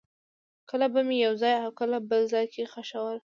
کله به مې یو ځای او کله بل ځای کې خښول.